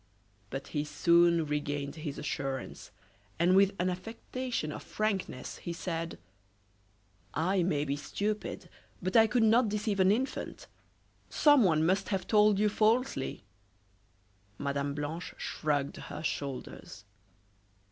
But he soon regained his assurance, and with an affectation of frankness he said: "I may be stupid, but I could not deceive an infant. Someone must have told you falsely." Mme. Blanche shrugged her shoulders.